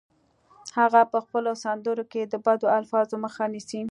هغه په خپلو سندرو کې د بدو الفاظو مخه نیسي